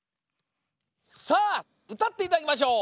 さあうたっていただきましょう。